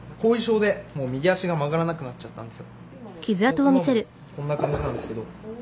今もこんな感じなんですけど。